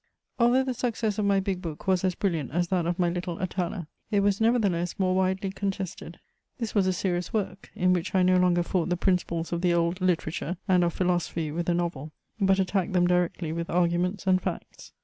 Although the success of my big book was as brilliant as that of my little Atala, it was nevertheless more widely contested: this was a serious work, in which I no longer fought the principles of the old literature and of philosophy with a novel, but attacked them directly with arguments and facts.